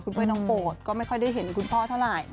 เป้ยน้องโปรดก็ไม่ค่อยได้เห็นคุณพ่อเท่าไหร่